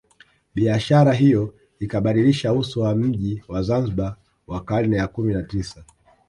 Biashara hiyo ikabadilisha uso wa mji wa Zanzibar wa karne ya kumi na tisa